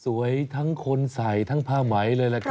ทั้งคนใส่ทั้งผ้าไหมเลยล่ะครับ